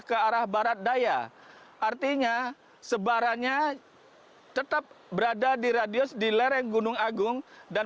ke arah barat daya artinya sebarannya tetap berada di radius di lereng gunung agung dan